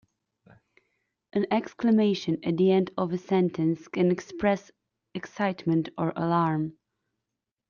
An exclamation at the end of a sentence can express excitement or alarm.